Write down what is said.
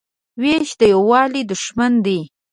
وېش د یووالي دښمن دی.